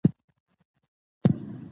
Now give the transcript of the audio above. د یتیم د ژړولو ځوانان ډیر دي